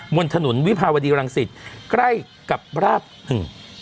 บนถนนวิภาวดีรังสิตใกล้กับราบหนึ่ง